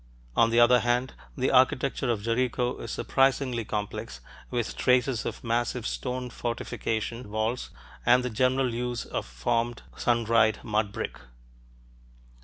On the other hand, the architecture of Jericho is surprisingly complex, with traces of massive stone fortification walls and the general use of formed sun dried mud brick.